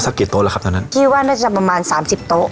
กี่โต๊ะแล้วครับตอนนั้นคิดว่าน่าจะประมาณสามสิบโต๊ะ